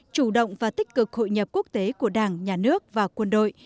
chủ động và tích cực hội nhập quốc tế của đảng nhà nước và quân đội